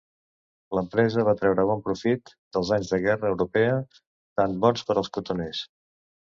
L'empresa va treure bon profit dels anys de guerra europea, tan bons per als cotoners.